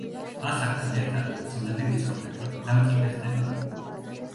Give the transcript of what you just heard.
ასაკთან ერთად ძვლები ვიწროვდება და მყიფე ხდება.